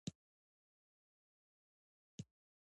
ازادي راډیو د طبیعي پېښې په اړه په ژوره توګه بحثونه کړي.